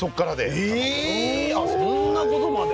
え⁉そんなことまで。